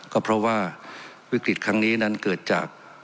ก็เพราะว่าวิกฤตครั้งนี้นั้นเกิดจาก